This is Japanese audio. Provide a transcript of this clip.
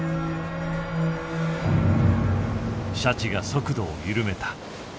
シャチが速度を緩めた。